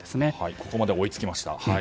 ここまでは追いつきました。